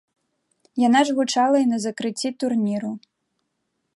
Яна ж гучала і на закрыцці турніру.